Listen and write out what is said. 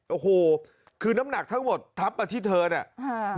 โอ้โหคือน้ำหนักทั้งหมดทับมาที่เธอเนี่ย